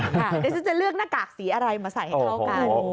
เดี๋ยวฉันจะเลือกหน้ากากสีอะไรมาใส่ให้เข้ากัน